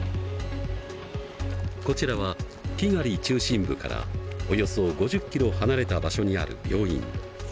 こちらはキガリ中心部からおよそ５０キロ離れた場所にある病院。